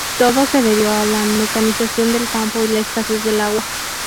Todo se debió a la mecanización del campo y la escasez del agua.